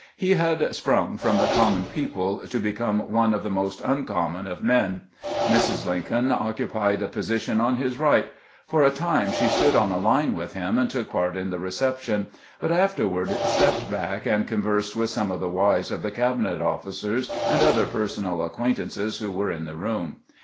He had sprung from the com mon people to become one of the most uncommon of men. Mrs. Lincoln occupied a position on his right. For a time she stood on a line with him and took part in the reception, but afterward stepped back and con versed with some of the wives of the cabinet officers GKANT'S FIEST MEETING "WITH LINCOLN 19 and other personal acquaintances wlio were in the room.